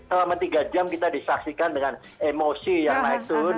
selama tiga jam kita disaksikan dengan emosi yang naik turun